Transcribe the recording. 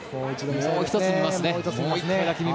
もう１つ見ますね。